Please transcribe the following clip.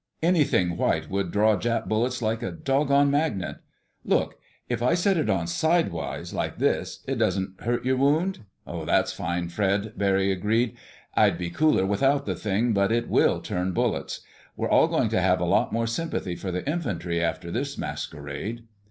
"Anything white would draw Jap bullets like a doggone magnet.... Look. If I set it on sidewise, like this, it doesn't hurt your wound." "That's fine, Fred," Barry agreed. "I'd be cooler without the thing, but it will turn bullets. We're all going to have a lot more sympathy for the infantry after this masquerade."